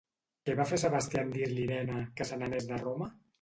Què va fer Sebastià en dir-li Irene que se n'anés de Roma?